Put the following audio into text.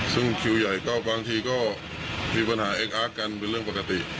ซึ่งคิวใหญ่ก็บางทีก็มีปัญหาเอ็กอาร์กกันเป็นเรื่องปกติ